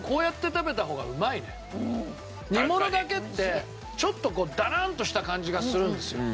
煮物だけってちょっとダラーンとした感じがするんですよ